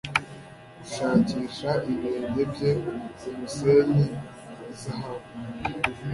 gushakisha ibirenge bye kumusenyi wa zahabu